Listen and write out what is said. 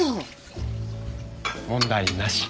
問題なし。